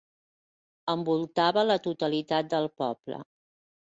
Envoltava la totalitat del poble.